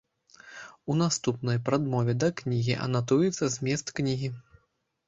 У наступнай прадмове да кнігі анатуецца змест кнігі.